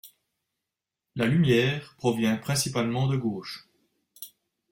La lumière provient principalement de gauche.